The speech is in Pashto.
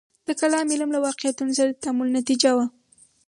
د کلام علم له واقعیتونو سره د تعامل نتیجه وه.